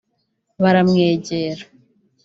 Baramwegera